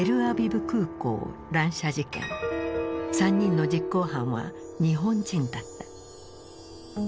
３人の実行犯は日本人だった。